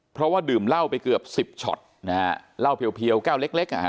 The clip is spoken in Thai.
เพราะว่าดื่มเหล้าไปเกือบสิบช็อตนะฮะเหล้าเพียวแก้วเล็กเล็กอ่ะฮะ